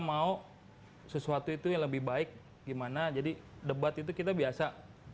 mau sesuatu itu yang lebih baik gimana jadi debat itu kita biasa saya main rebat tapi ujungnya kan